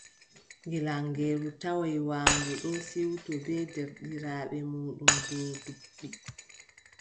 Gilaŋeeru tawoy waandu ɗon siwto bee deerɗiraaɓe muuɗum dow duɓɓi.